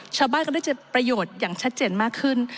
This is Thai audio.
ชาวบ้านก็ได้จะประโยชน์อย่างชัดเจนมากขึ้น